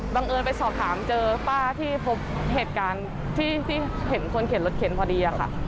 เอิญไปสอบถามเจอป้าที่พบเหตุการณ์ที่เห็นคนเข็นรถเข็นพอดีค่ะ